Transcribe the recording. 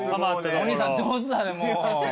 お兄さん上手だねもう。